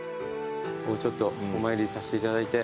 ちょっとお参りさせていただいて。